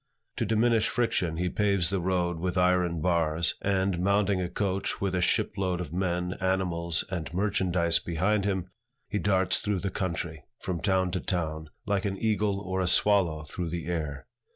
To diminish friction, he paves the road with iron bars, and, mounting a coach with a ship load of men, animals, and merchandise behind him, he darts through the country, from town to town, like an eagle or a swallow through the air.